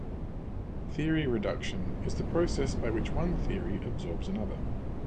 Theory reduction is the process by which one theory absorbs another.